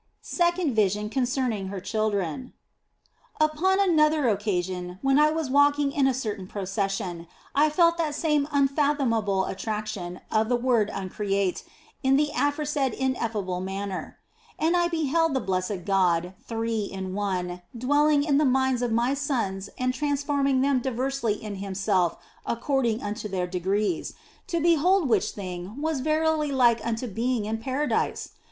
SECOND VISION CONCERNING HER CHILDREN UPON another occasion, when I was walking in a certain procession, I felt that same unfathomable attraction of the Word Uncreate in the aforesaid ineffable manner. And I beheld the blessed God, Three in One, dwelling in the minds of my sons and transforming them diversely in Himself according unto their degrees, to behold which thing was verily like unto being in Paradise